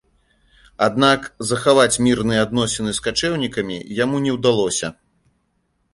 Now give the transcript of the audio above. Аднак, захаваць мірныя адносіны з качэўнікамі яму не ўдалося.